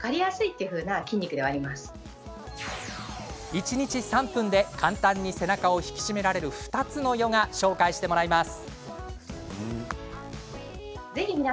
一日３分で簡単に背中を引き締められる２つのヨガ紹介してもらいます。